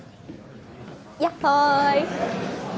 やっほい。